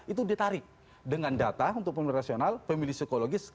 itu ditarik dengan data untuk pemilih rasional pemilih psikologis